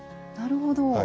なるほど。